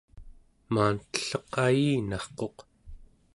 maantelleq ayinarquq